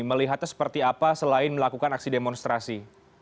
melihatnya seperti apa selain melakukan aksi demonstrasi